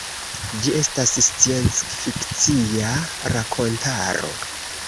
Ĝi estas sciencfikcia rakontaro.